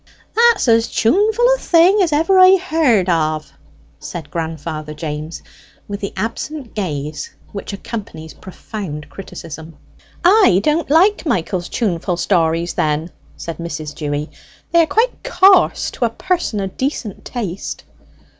"That's as tuneful a thing as ever I heard of," said grandfather James, with the absent gaze which accompanies profound criticism. "I don't like Michael's tuneful stories then," said Mrs. Dewy. "They are quite coarse to a person o' decent taste."